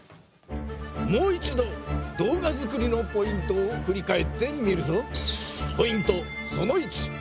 もう一度動画作りのポイントをふり返ってみるぞ。